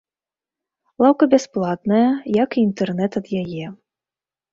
Лаўка бясплатная, як і інтэрнэт ад яе.